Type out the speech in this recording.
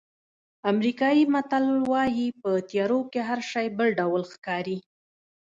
امریکایي متل وایي په تیارو کې هر شی بل ډول ښکاري.